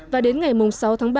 và đến ngày sáu tháng ba